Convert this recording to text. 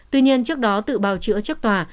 tuy nhiên trước đó tự bào chữa chức tòa